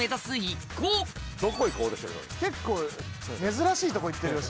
珍しいとこ行ってるよ